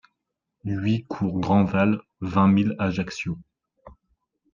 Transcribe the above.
huit cours Grandval, vingt mille Ajaccio